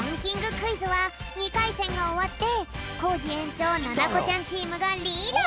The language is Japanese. クイズは２かいせんがおわってコージ園長ななこちゃんチームがリード！